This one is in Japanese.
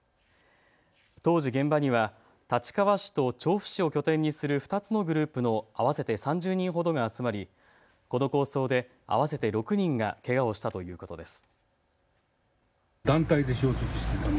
当時、現場には立川市と調布市を拠点にする２つのグループの合わせて３０人ほどが集まりこの抗争で合わせて６人がけがをしたということです。